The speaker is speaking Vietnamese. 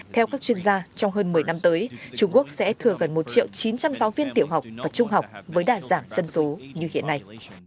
theo các chuyên gia trong hơn một mươi năm tới trung quốc sẽ thừa gần một chín trăm linh giáo viên tiểu học và trung học với đà giảm dân số như hiện nay